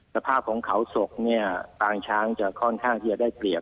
สภาพของเขาศกตางช้างจะค่อนข้างจะได้เปรียบ